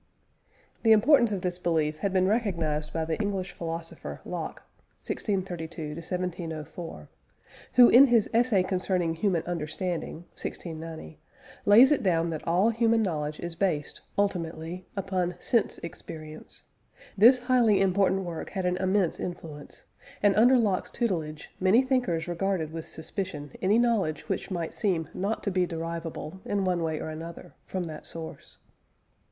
The importance of this belief had been recognised by the English philosopher, Locke (1632 1704), who in his Essay concerning Human Understanding (1690), lays it down that all human knowledge is based, ultimately, upon sense experience. This highly important work had an immense influence, and, under Locke's tutelage, many thinkers regarded with suspicion any knowledge which might seem not to be derivable, in one way or another, from that source.